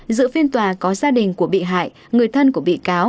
giữa phiên tòa có gia đình của bị hại người thân của bị cáo